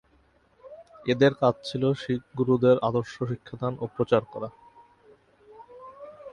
এঁদের কাজ ছিল শিখ গুরুদের আদর্শ শিক্ষাদান ও প্রচার করা।